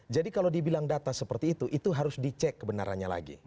jadi kalau dibilang data seperti itu itu harus dicek kebenarannya lagi